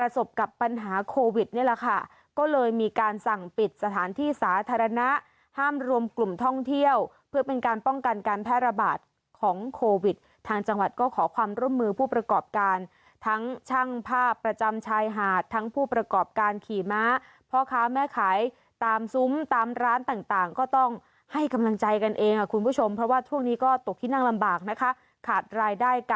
สถานที่สาธารณะห้ามรวมกลุ่มท่องเที่ยวเพื่อเป็นการป้องกันการแพร่ระบาดของโควิดทางจังหวัดก็ขอความร่วมมือผู้ประกอบการทั้งช่างภาพประจำชายหาดทั้งผู้ประกอบการขี่ม้าพ่อค้าแม่ขายตามซุ้มตามร้านต่างต่างก็ต้องให้กำลังใจกันเองอ่ะคุณผู้ชมเพราะว่าช่วงนี้ก็ตกที่นั่งลำบากนะคะข